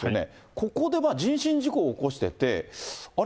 ここで人身事故を起こしてて、あれ？